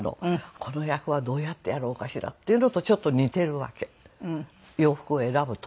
この役はどうやってやろうかしら？っていうのとちょっと似てるわけ洋服を選ぶ時。